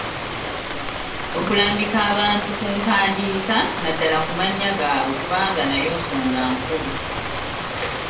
Okulambika abantu ku mpandiika naddala ku mannya gaabwe kubanga nayo nsonga nkulu.